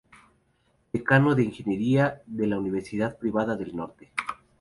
Decano de Ingeniería de la Universidad Privada del Norte.